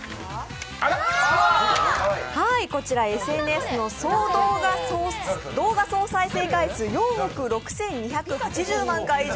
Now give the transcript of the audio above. こちらＳＮＳの動画総再生回数４億６２８０回以上。